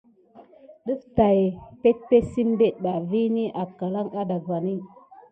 Ɗəf tay peɗmekel ɓa sit diy beriti kelena akoudane ba.